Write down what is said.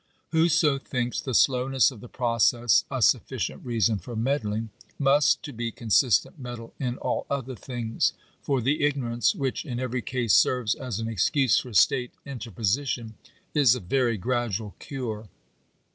Whoso thinks the slowness of the process a sufficient reason for meddling, must, to be con sistent, meddle in all other things ; for the ignorance which in every case serves as an excuse for state interposition is of very gradual cure.